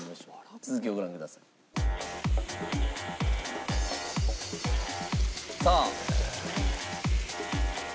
続きをご覧ください。さあ。